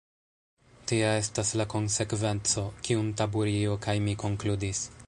Tia estas la konsekvenco, kiun Taburio kaj mi konkludis.